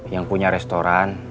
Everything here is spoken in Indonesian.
yang punya restoran